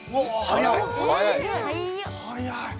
早い！